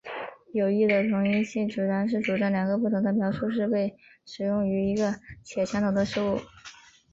有益的同一性主张是主张两个不同的描述是被使用于一个且相同的事物。